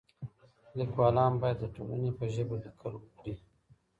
ليکوالان بايد د ټولني په ژبه ليکل وکړي.